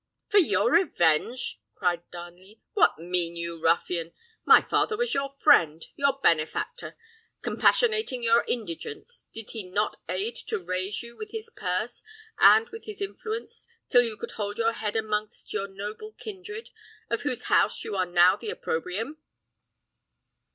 "For your revenge!" cried Darnley: "what mean you, ruffian? My father was your friend, your benefactor. Compassionating your indigence, did he not aid to raise you with his purse and with his influence, till you could hold your head amongst your noble kindred, of whose house you are now the opprobrium?"